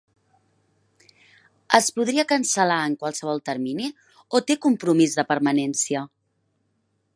Es podria cancel·lar en qualsevol termini o té compromís de permanència?